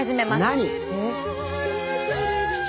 何？